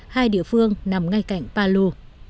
hai địa phương nằm ngay cạnh palu